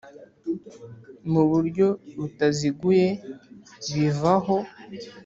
mu buryo butaziguye bivaho